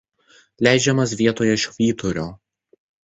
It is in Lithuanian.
Leidžiamas vietoje „Švyturio“.